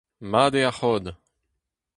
Mat eo ar c'hod !